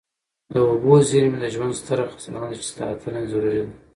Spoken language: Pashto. د اوبو زیرمې د ژوند ستره خزانه ده چي ساتنه یې ضروري ده.